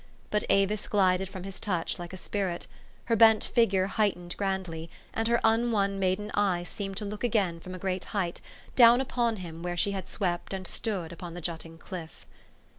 But Avis glided from his touch like a spirit. Her bent figure heightened grandly, and her unwon maiden C3~es seemed to look again from a great height, down upon him where she had swept and stood upon the jutting cliff.